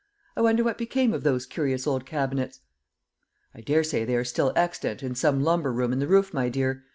I wonder what became of those curious old cabinets?" "I daresay they are still extant in some lumber room in the roof, my dear.